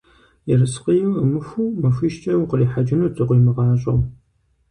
Ерыскъыи Ӏумыхуэу, махуищкӏэ укърихьэкӀынут зыкъыуимыгъащӀэу.